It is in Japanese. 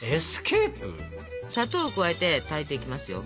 砂糖を加えて炊いていきますよ。